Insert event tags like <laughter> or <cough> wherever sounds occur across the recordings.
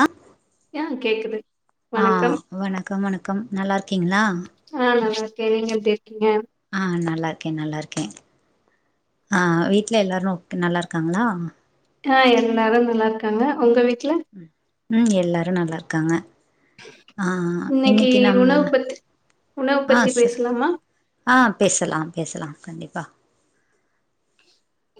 அ அ கேக்குது ஆ வணக்கம் வணக்கம் வணக்கம் நல்லாருக்கீங்களா ஆ நல்லா இருக்கே நீங்க எப்டி இருக்கீங்க ஆ நல்லா இருக்கே நல்லா இருக்கேன் ஆ வீட்டுல எல்லாரு நல்லா இருக்காங்களா அ எல்லாரு நல்லாருக்காங்க உங்க வீட் ம் எல்லாரு‌ நல்லா இருக்காங்க ஆ ஆ இன்னைக்கு நம்ம உணவு பத்தி உணவு ஆ பத்தி சொல் பேசலாமா ஆ பேசலா பேசலாம் கண்டிப்பா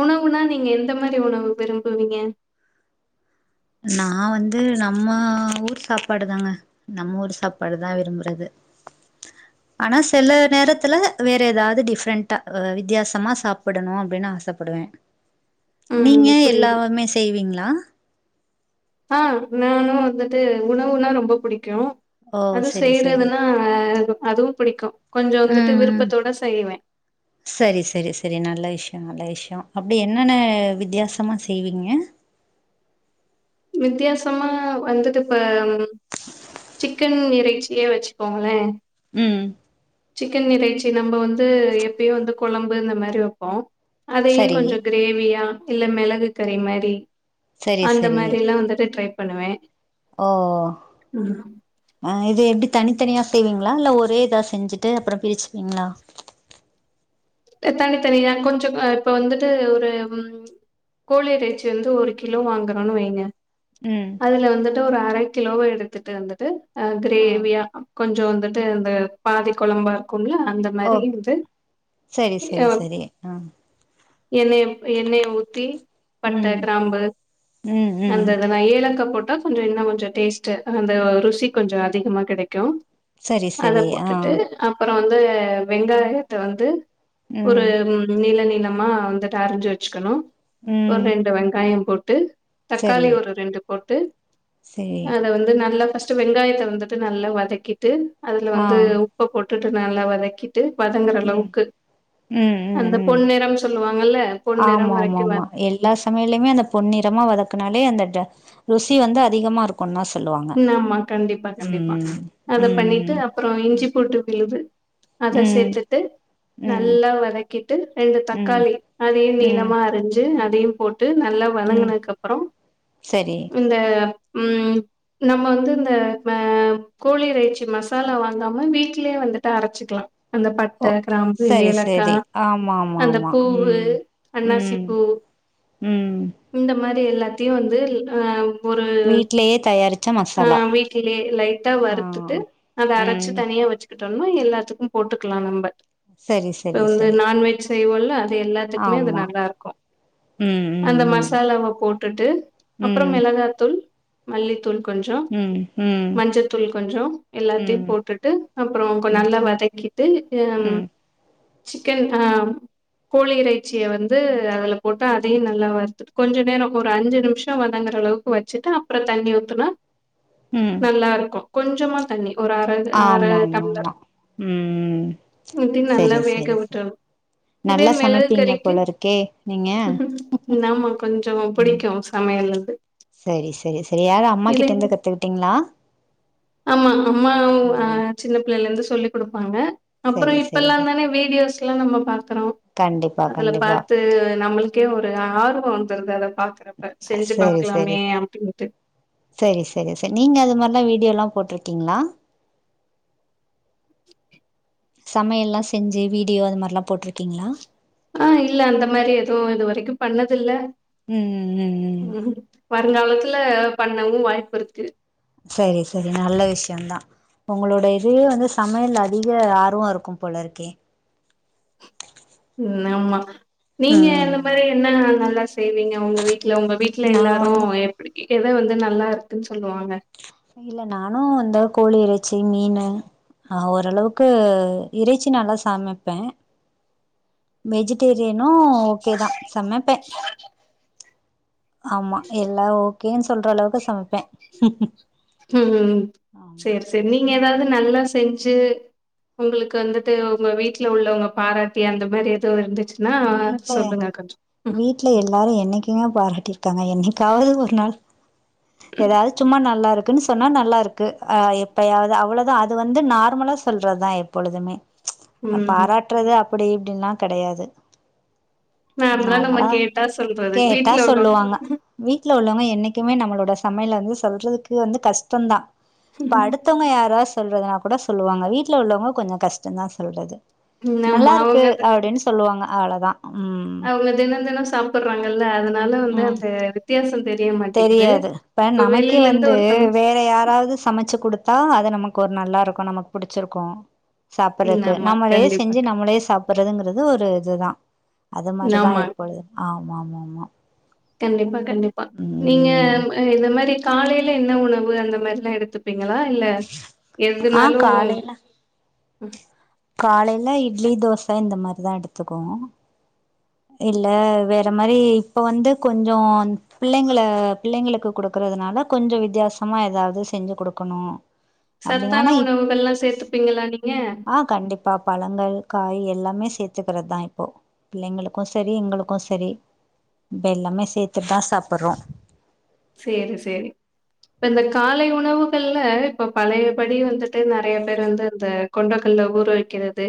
உணவுனா நீங்க எந்த மாரி உணவு விரும்புவீங்க நா வந்து நம்ம ஊர் சாப்பாடு தாங்க நம் ஊர் சாப்பாடு தா விரும்புறது ஆனா சில நேரத்துல வேற ஏதாவது டிஃப்ரென்ட்டா வித்தியாசமா சாப்பிடணு அப்படின்னு ஆசப்படுவே நீங்க ம் புரியுது எல்லாமே செய்வீங்களா? ஆ‌ நானு வந்துட்டு உணவுனா ரொம்பப்புடிக்கு ஓ அது சரி சரி செய்றதுன்னா <unintelligible> அதுவு புடிக்கு கொஞ்சோ வந்துட்டு ம் ம் விருப்பத்தோட செய்வே சரி சரி சரி நல்ல விஷயம் நல்ல விஷயம் அப்டி என்னென்ன வித்தியாசமா செய்வீங்க வித்தியாசமா வந்துட்டு இப்ப சிக்கன் இறைச்சியே வச்சுக்கோங்களேன் ம் சிக்கன் இறைச்சி நம்ப வந்து எப்பயோ வந்து குழம்பு இந்த மாரி வப்போம் அதையே சரி கொஞ்சம் கிரேவியா இல்ல மிளகு கறி மாரி செரி அந்த செரி மாரிலா ட்ரை பண்ணுவேன் ஓ ஓ தனித்தனியா செய்வீங்களா இல்ல ஒரே இதா செஞ்சுட்டு அப்புறம் பிரிச்சுப்பீங்களா தனி தனியா கொஞ்சமா இப்ப வந்துட்டு ஒரு ம் கோழி‌ இறைச்சிய வந்து ஒரு கிலோ வாங்குறோம்னு வைங்க ம் அதுல வந்துட்டு ‌ஒரு அர கிலோவ எடுத்துட்டு வந்துட்டு ஆ கிரேவியா கொஞ்சம் வந்துட்டு இந்த பாதி குழம்பா <unintelligible> அந்த மாரி செரி செரி செரி ம் எண்ணெய் ஊத்தி பட்டை கிராம்பு ம் ம் அந்த இதெல் ஏலக்காய போட் கொஞ்சோம் இன்னும் கொஞ்ச டேஸ்ட் அந்த ருசி கொஞ்சோம் அதிகமா கெடைக்கும் சரி சரி அதப் ஆ போட்டுட்டு அப்ப அப்றம் வந்து வெங்காயத்த வந்து ஒரு ம் நிலநி மா வந்துட்டு அரிஜசு வச்சுக்கணும் ஒரு ம் ரெண்டு வெங்காயம் போட் ட்டு சரி தக்காளி ஒரு ரெண்டு போட்டு சரி அதல வந்து நல்ல வெங்காயத்த வந்துட்டு நல்ல வதக்கிட்டு அதுல ஆ வந்து உப்ப போட் விட்டுட்டு நல்ல வதக் ட்டு வதங்குற ம் அளவுக்கு ம் ம் அந்த ம் பொன்னிறம் சொல்லுவாங்கல்ல பொன்னிறம் ஆமா மா வரைக்கும் வ மா எல்லா சமையலயுமே அந்த பொன்னிறமா வதக்குனாலே இந்த ட ருசி வந்து அதிகமா இருக்கும்னஸ் இன்னாமா கண்டிப்பா கண்டிப்பா அத ம் பண்ணிட்டு அப்புறம் இஞ்சி போட்டு விழுது அத ம் சேத்துட்டு ம் நல்லா வதக்கிட்டு ரெண்டு ம் தக்காளி அதையும் ம் நீளமா அரிஞ்சு அத தீம் போ விட்டு நல்லா ம் வனங்குனதுக்கு அப்புறம் சரி இந்த ம் ம் நம்ம வந்து இந்த மெ கோழி இறைச்சி மசாலா வாங்காம வீட்லயே வந்துட்டு அரைச்சிக்கலா அந்த ஓ பட்டை கிராம்பு சரி சரி ஏலக்காய் ஆமா ஆமா அந்த ஆமா பூவு ம் அன்னாசி ம் பூ ம் இந்த மாரி எல்லாத்தையும் வந்து ஆ வீட்லேயே தயாரிச் ம் வீட்லயே லைட்டா வறுத்துட்டு அதை ம் அரைச்சு தனியா வச்சு ட்டோம்னா எல்லாத்துக்கும் போட்டுக்கலாம் நம்ப சரி சரி சரி செய்வோல எல்லாத்துக்குமே அது ஆமா நல்லா இருக்கும் ம் அந்த ம் மசாலாவ போட்டுட்டு அப்றம் ம் மிளகாத்தூள் மல்லி கொஞ்சம் ம் ம் ம் மஞ்சத்தூள் கொஞ்சம் எல்லாத்தையும் ம் போட்டுட்டு அப்புறம் கோ ம் நல்லா வதக்கிட்டு ம் சிக்கன் ஆ கோழி இறைச்சிய வந்து அதுல போட்டு அதையும் நல்லா வருத்துட்டு கொஞ்ச நேரம் ஒரு அஞ்சு நிமிஷம் வதங்குற அளவுக்கு வச்சுட்டு அப்புறம் தண்ணி துன ம் நல்லாருக்கும். கொஞ்சமா தண்ணி ஒரு அரை அரை ஆமா ஆமா ஆமா டம்ளர் ம் இட்டி நல்லா செரி வேக செரி செரி விட்டரம் இதே நல்லா மிளகு சமைப்பீங்க கறிக்கு போல இருக்கே நீங்க நாம கொஞ்சம் ம் பிடிக்கும் சமையல் அது செரி செரி செரி யாரு அம்மா இதே கிட்ட இருந்து கத்துக்கிட்டீங்களா ஆமா அம்மா ஆ ம் சின்ன பிள்ளைல இருந்து சொல்லிக் கொடுப்பாங்க அப்புறம் செரி செரி இப்பெல்லாம் செரி தானே வீடியோஸ் எல்லாம் நம்ம பாக்குறோம் கண்டிப்பா அதுல கண்டிப்பா பார்த்து நம்மளுக் கே ஒரு ஆர்வம் வந்துருது அத பாக்குறப்ப செஞ்சு செரி செரி பாக்கலாமே அப்படின்டு செரி செரி செ நீங்க அது மாதி மாரெல்லாம் வீடியோ யெல்லாம் போட்டிருக்கீங்களா? சமையல்லாம் செஞ்சு வீடியோ அது மாரெல்லாம் போட்டிருக்கீங்களா? ஆ இல்ல அந்த மாரி எதுவும் இது வரைக்கும் பண்ணது இல்ல ம் ம் ம் <unintelligible> பண்ணவும் வாய்ப்பு இருக்கு சரி சரி நல்ல விஷயம்தான் உங்களோட இதுவே வந்து சமையல் அதிக ஆர்வம் இருக்கும் போல இருக்கே <unintelligible> ஆமா நீங்க இந்த ம் மாரி என்னங் செய்வீங்க உங்க வீட் இல்ல உங்க வீட்ல நா வந்து எல்லாரும் எப்படி எதை வந்து நல்லா இருக்குன்னு சொல்லுவாங்க ச் இல்ல நானும் வந்த கோழி இறைச்சி மீனு அஹ் ஓரளவுக்கு இறைச்சி நல்லா சமைப்பேன் மேஜிட் தெரியணும் ஓகேதான் சமைப்பேன் ஆமா எல்லா ஓகேன்னு சொல்ற அளவுக்கு சமப்பேன் ஹும் சேர் சேர் நீங்க ஏதாவது நல்லா செஞ்சு உங்களுக்கு வந்துட்டு உங்க வீட்டுல உள்ளவங்க பாராட்டி அந்த மாரி ஏதோ இருந்து வீட்ல வீட்ல எல்லாரும் என்னைக்குங்க பாரட்டி இருக்காங்க என்னை காவது ஒரு நாள் ஏதாவது சும்மா நல்லா இரு இருக்குன்னு சொன்னா நல்லா இருக்கு அஹ் எப்பயாவது அவ்ளதான் அது வந்து நார்மலா சொல்றதுதான் எப்பொழுதுமே ச் ம் ம் பாராட்டுறது அப் அப்டி இப்டின்லான் கெடையாது நம்ம நார்மலா கேட்டா சொல்றது கேட்டா வீட்ல உள்ளவங்க சொல்லுவாங்க வீட்ல உள்ளவங்க என்னைக்குமே நம்மளோட இந்த சமையல வந்து சொல்றதுக்கு வந்து கஷ்டம் தான் இப்ப ம். அடுத்தவவுங்க யாராஸ் சொல்றதா கூட சொல்லுவாங்க வீட்ல உள்ளவங்க கொஞ்சம் கஷ்டம் தான் சொல்றது நல்லா இருக்கு அப்டின்னு சொல்வாங்க அவ்ளோதான் அவுங்க தினம் தினம் சாப்றாங்கல்ல அத னால வந்து ம் அந்த வித்தியாசம் தெரியாது இப்ப நமக்கே இருந்து வந்து ஒருத்தவங்க ஸ் வேற யாராவது சமைச்சு குடுத் தா அது நமக்கு ஒரு நல்லா இருக்கும் நமக்கு புடுச்சுருக்கும் ம் சாப்புறக்கு ஆமா நம்மளே கண்டிப்பா செஞ்சு நம்மளே சாப்புறதுங்கிறது ஒரு இதுதான் அது மாரிதான் ஆமா எப்பொழுது ஆம் மமா மா கண்டிப்பா கண்டிப் பா நீங்க இந்த மாரி இந்த மாரி காலேல என்ன உணவு அந்த மாரிலா எடுத்துப் பீங்களா இல்ல ஆ எதுனாலு உஹும் காலேல இட்லி தோச இந்த மாரிதான் எடுத்துக்குவோ இல்ல வேற மாரி இப்ப வந்து கொஞ்சே பிள்ளைங்கள பிள்ளைங்களுக்கு குடுக்குறதுனால கொஞ்சம் வித்தியாசமா ஏதாவது செஞ்சு குடுக்கணும். சத்தான உணவுகள்ல்லாம் சேத்துப்பீங்களா நீங்க ஆ கண்டிப்பா பழங்கள் காய் எல்லாமே சேத்துக்கிறதா இப்போ பிள்ளைங்களுக் க்கு சரி எங்களுக்கு சரி இப்ப எல்லாமே சேத்துதா சாப்படுறோ சேரி சேரி இப்ப இந்த காலை உணவுகள்ல இப்ப பழையபடி வந்துட்டு நெறைய பேர் வந்து இந்த கொண்டகல ஊற வைக்கிறது.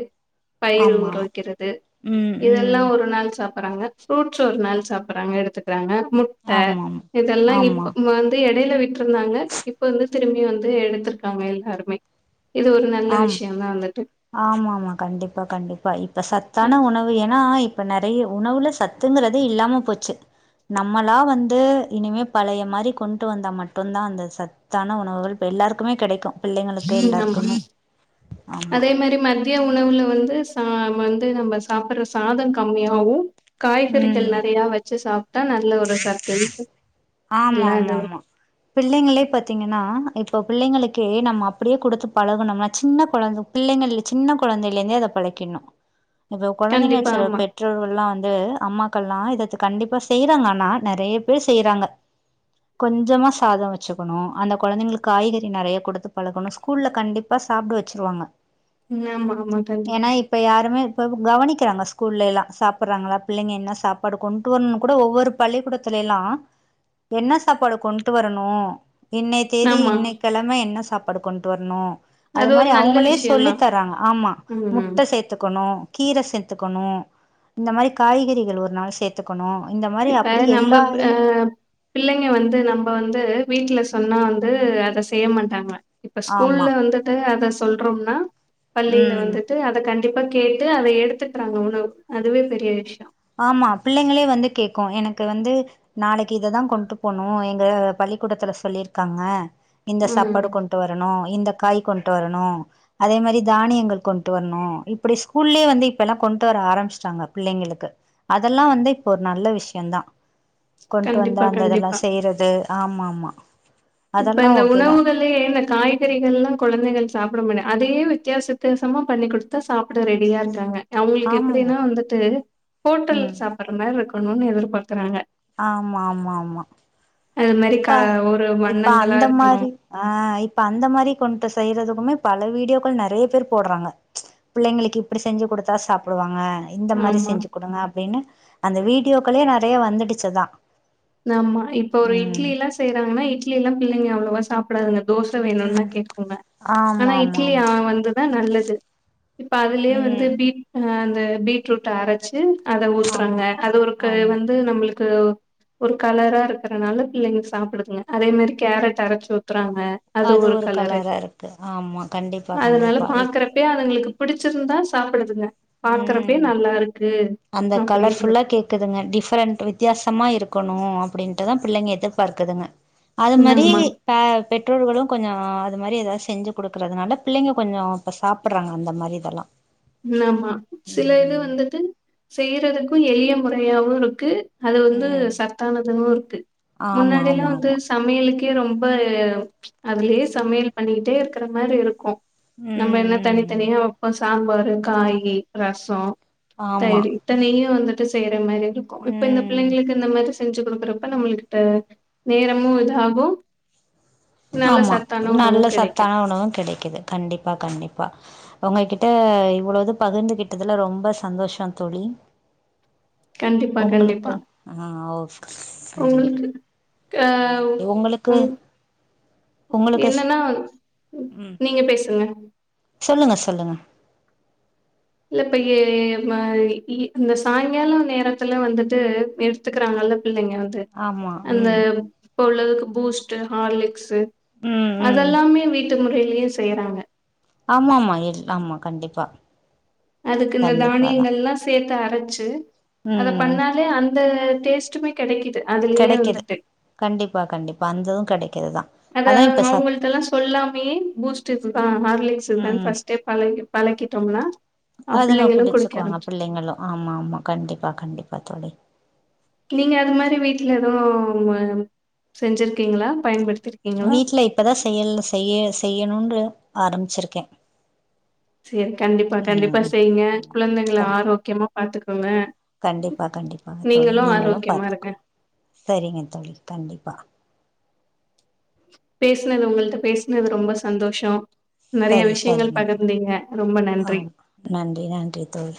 பயிர் ஆமா ஊறவைக்கிறது ம் இதெல்லா ம் ஒரு நாள் சாப் வறாங்க ஃப்ரூட்ஸ் ஒரு நாள் சாப்படுறாங்க எடுத்துக்குறாங்க முட்ட ஆமாம் எ ல்லா ஆமா இப்ப வந்து எடையில விட்டுருந்தாங்க இப்ப வந்து திரும்பி வந்து எடுத்திருக்காங்க எல்லாருமே இது ஒரு நல்ல ஆம் விஷயம் தான் வந்துட்டு. ஆமா ஆமா கண்டிப்பா கண்டிப்பா இப்ப சத் அ தான உணவு எனா ஆ இப்ப நெறைய உணவுல சத்துங்கறதே இல்லாம போச்சு நம்மளா வந்து இனிமே பழைய மாரி கொண்டு வந்தா மட்டுந்தா அந்த சத்தான உணவுகள் எல்லாருக்குமே கெடைக்கு பிள்ளைங்களுக்கு ஆமா. எல்லாருக்குமே ஆமா அதே மாரி மந்தி றிய உணவுல வந்து ச வந்து நம்ம சாப்பிடுற சாதொ கம்மியாவு காய்கறிகள் ம் நெறையா வச்சு சாப் ஆமா எல்லா ஆமா இதுவும் ஆமா பிள்ளைங்களே பாத்தீங்கன்னா இப்ப பிள்ளைங்களுக்கு க்கே நம்ம அப்படியே குடுத்து பழகுணமா சின்ன கொழந்த பிள்ளைங்க சின்ன கொழந்தைல இருந்தே அத பழக்கிறனு இந்த கொழந்தைங்க கண்டிப்பா சில ஆமா. பெற்றோர்கள்ல்லா வந் இது அம்மாக்கள்ல்லா இத கண்டிப்பா செய்யறாங்க இப்பலா நெறைய பேர் செய்யறாங்க கொஞ்சமா சாதொ வச்சுக்கணு அந்த கொழந்தைங்களுக்கு காய்கறி நெறைய குடுத்து பழக்கணும் ஸ்கூல்ல கண்டிப்பா சாப்பிட வச்சிடுவாங்க. ம் ஆமா ஆமா கண்டிப்பா கவனிக்கறாங்க ஸ்கூல்லைல்லா சாப்பிட்றாங்களா பிள்ளைங்க என்ன சாப்பாடு கொண்டு வரணுனு கூட ஒவ்வொரு பள்ளிக்கூடத்துலைலா என்ன சாப்பாடு கொண்ட்டு வரணு. இன்னைய தேதி ஆமா இன்ன கெழம என்ன சாப் சாப்பாடு கொண்ட்டு வரணு அது ஒரு மாரி நல்ல அவங்களே சொல்லி விஷயம்தான் தராங்க ஆமா ம். முட்ட சேத்துக்கணு கீர சே்த்துக்கணு இந்த மாரி காய்கறிகள் ஒரு நாள் சேத் த்துக்கணு இந்த மாரி அப் அ நம்ம ஹ பிள்ளைங்க வந்து நம்ம வந்து வீட்ல சொன்னா வந்து அத செய்ய மாட் டாங்க இப்ப ஆமா ஸ்கூல்ல வந்துட்டு அத சொல்றோம்னா பள்ளியில ம் வந்துட்டு அத கண்டிப் அப்ப கேட்டு அத எடுத்துக்றாங்க உணவு அதுவே பெரிய விஷய ஆமா பிள்ளைங்களே வந்து கேக்கு எனக்கு வந்து நாளைக்கு இததா கொண்ட்டு போணு எங்க பள்ளிக்கூடத்துல சொல்லிருக்காங்க இந்த சாப்பாடு ம். கொண்ட்டு வரணு இந்த காய் கொண்ட்டு வரணு அதே மாரி தானியங்கள் கொண்ட்டு வர்ணு இப்பிடி ஸ்கூல்லயே வந்து இப்பெல்லா கொண்ட்டு வர ஆரம்பிச்சிட்டாங்க பிள்ளைங்களுக்கு அதெல்லா வந்து இப்போ ஒரு நல்ல விஷயந்தா கொண்ட்டு வந்த கண்டிப்பா, அந்த இதெல்லா கண்டிப்பா. செய்றது ஆமா ஆமா இப்ப இந்த உணவுகள்ளயே இந்த காய்கறிகல்லா கொழந்தைக சாப்ட மாட்டே அதே வித்தியாச வித்தியசமா பண்ணி குடுத்தா சாப்பிட ரெடியா இருக்கறாங்க அவங்களுக்கு ஆமா. எப்படினா வந்துட்டு ஹோட்டல் ம். சாப்புடுற மாரி இருக்க பண்ணுனு எதிர்பாக்குறாங்க ஆமா ஆமா ஆமா அது மாரி இப்ப கா ஒரு ம இப்ப அந்த மாரி ஆ இப்ப அந்த மாரி கொண்டு செய்யறதுக்குமே பல வீடியோக்கள் நெறைய பேர் போட்றாங்க பிள்ளைங்களுக்கு இப்டி செஞ்சு குடுத்தா சாப்டுவாங்க இந்த மாரி ஆமா செஞ்சு குடுங்க அப்டின்னு அந்த வீடியோக்களே நெறைய வந்துடுச்சுதா. ஆமா இப் இப்ப ஒரு இட்லி ம் எல்லா செய்றாங்கன்னா இ்ட்லில்லா பிள்ளைங்க அவ்ளோவா சாப்புட்றதில்ல தோச வேணுன்னுதா ம் கேக்குங்க ஆனா ஆமா ஆமா இட்லி அ ஆமா வந்துதா நல்ல து இப்ப அதுலேயே வந்து ம் பீ ஆ து பீட்ரூட்ட அரைச்சு அத ஊத்துறாங்க ஆமா அது ஒரு க ஆமா வந்து நம்மளுக்கு த்வும் ஒரு கலரா இருக்கறதுஎனால பிள்ளைங்க சாப்பிடுதுங்க அதே மாரி கேரட் அரைச்சு ஊத்துறாஎ க அது ஒரு கலரு கலரா இருக்கு ஆமா கண்டிப்பா அதனால கண்டிப்பா இப் பாக்குறப்பே அதுங்களுக்கு புடிச்சிருந்தா சாப் <unintelligible> இருந்த பாக்குறப்பே ம் நல்லா இருக்கு அந்த அப்படின்றது கலர்ஃபுல்லா கேக்குதுங்க டிஃபரெண்ட் வித்தியாசமா இருக் க்கனோ அப்டின்ட்டு பிள்ளைங்க எதிர்பார்க்குதுங்க அது ம் மாரி ஆமா ப பெற்றோர்களும் கொஞ்சோ ஆ அது மாரி எதாவ செஞ்சு கொடுக்கறதுனால பிள்ளைங்க கொஞ்சோ இப்ப சாப்புடுறாங்க அந்த மாரி இதெல்லா ஆமா சில இது ம் வந்துட்டு செய்யறதுக்கும் எளிய முறையாவுருக்கு அது வந்து ம் சத்தானது இருக்கு ஆமா ஆமா முன்னாடியெல்லாம் வந்து ஆமா சமையலுக்கு ரொம்ப அதுலயே சமையல் பண்ணிட்டேருக்குற மாரியேருக்கும் ம் நம்ம என்ன ம் ம் தனித்தனியா அப்ப சாம்பார் காய்கறி ரசோ ஆமா தயிறு இத்தனையு வந்துட் செய்ய ர மாரி இருக்கும் இப்ப இந்த ம் பிள்ளைங்களுக்கு இந்த மாரி செஞ்சு கொடுக்கறப்ப நம்மகிட்ட நேரமும் இதாகும் ஆமா நல்ல சத்தான உணவும் கெடைக்குது கண்டிப்பா கண்டிப்பா ஒங்ககிட்ட இவ்வலது பகிர்ந்துகிட்டதுல ரொம்ப சந்தோஷம் தொழி கண்டிப்பா கண்டிப்பா ஒங்களுக்கு ஆ ஓ செரிங்க உங்களுக்கு ஆ உங் உங்களுக்கு என்னனா ம் நீங்க பேசுங்க சொல்லுங்க சொல்லுங்க இல்ல இப்ப இ இ இந்த சாயங்காலம் நேரத்துல வந்துட்டு எடுத்துக்குறாங்கல்ல பிள்ளைங்க வந்து ஆமா அந்த ம் இப்ப உள்ளதுக்கு பூஸ்ட் ஹார்லிக்ஸு ம் ம் அதெல்லாமே வீட் முறையிலயும் செய்யறாங்க ஆமா ஆமா ஏன் ஆமா கண்டிப்பா அதுக்கு இந்த கண்டிப்பாதா தானியங்கல்லாம் சேத் து அரச்சு அத ம் பண்ணாலே அந் த டேஸ்ட்டுமே கெடைக்குது அதுலயே கெடைக்குது வந்துட்டு கண்டிப்பா கண்டிப்பா அந்ததும் கெடைக்குதுதான் அத அவங்கள்டெல்லாம் சொல்லாமையே பூஸ்ட் இது தான் ஹார்லிக்ஸ் இதுதான் ம் ஃபஸ்டே பழகி பழக்கிட்டோம்னா அ அதுங்க பிள்ளைங்களு குடிக்க குடிச்சுக்குவாங்க ஆரம்பிச்சு பிள்ளைங்களும் ஆமா ஆமா கண்டிப்பா கண்டிப்பா தோழி நீங்க அது மாரி வீட்டுல எதவும் செஞ்சிருக்கீங்களா பயன்படுத்த வீட்ல இப்பதான் செய்யல் செய்ய செய்ய செய்யணும் ஆரம்பிச்சிருக்கேன் செரி கண்டிப்பா கண்டிப்பா செய்ங்க குழந்தைங்கல கண் ஆரோக்கியமா பாாரத்துக்கோங்க கண்டிப்பா கண்டிப்பா தோழி நீங்களும் ஆரோக்கியமா இருங்க பாத்துக்க சரிங்க தோழி கண்டிப்பா பேஸ்னது உங்கள்ட்ட பேஸ்னது ரொம்ப சந்தோஷம் சரி சரிங்க தோ நன்றி ஆஹ் நன்றி நன்றி தோழி